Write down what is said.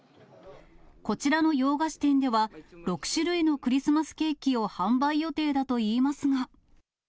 こちらの洋菓子店では、６種類のクリスマスケーキを販売予定だといいますが。